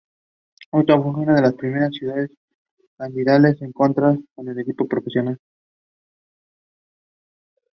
Courtney has goaded some of his men to revolt.